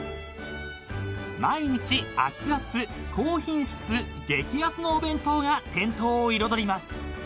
［毎日熱々高品質激安のお弁当が店頭を彩ります］